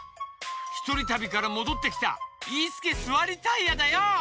ひとりたびからもどってきたイースケ・スワリタイヤだよ！